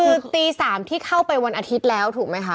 คือตี๓ที่เข้าไปวันอาทิตย์แล้วถูกไหมคะ